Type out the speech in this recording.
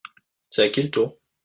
C'est à qui le tour ?